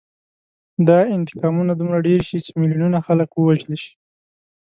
دا انتقامونه دومره ډېر شي چې میلیونونه خلک ووژل شي